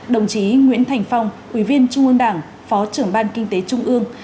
đồng chí nguyễn thành phong ủy viên trung ương đảng phó trưởng ban kinh tế trung ương